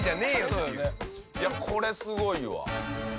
いやこれすごいわ。